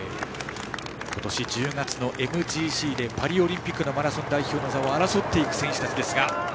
今年１０月のＭＧＣでパリオリンピックのマラソン代表の座を争う選手たちですが。